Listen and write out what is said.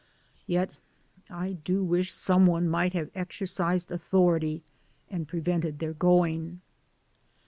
Yet I do wish someone might have exercised authority and pre vented their going.